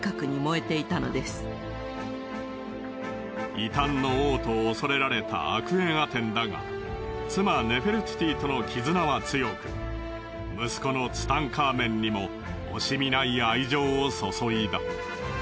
異端の王と恐れられたアクエンアテンだが妻ネフェルティティとの絆は強く息子のツタンカーメンにも惜しみない愛情を注いだ。